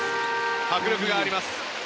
迫力があります。